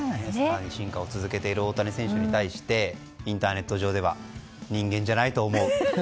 進化を続けている大谷選手に対してインターネット上では人間じゃないと思う。